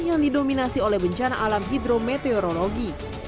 yang didominasi oleh bencana alam hidrometeorologi